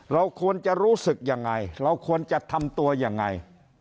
เราควรจะรู้สึกยังไงเราควรจะทำตัวยังไง